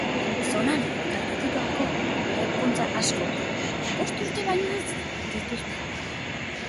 Zonan kaltetutako eraikuntza askok bost urte baino ez dituzte.